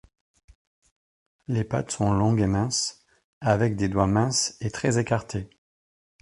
Les pattes sont longues et minces, avec des doigts minces et très écartés.